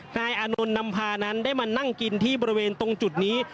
นายอานนท์นำพานั้นได้มานั่งกินที่บริเวณตรงจุดนี้